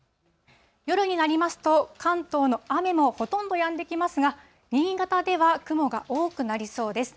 夜になりますと、関東の雨もほとんどやんできますが、新潟では雲が多くなりそうです。